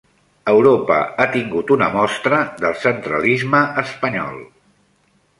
Europa ha tingut una mostra del centralisme espanyol